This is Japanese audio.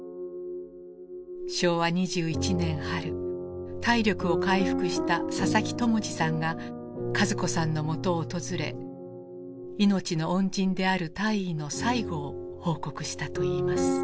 昭和２１年春体力を回復した佐々木友次さんが和子さんのもとを訪れ命の恩人である大尉の最期を報告したといいます。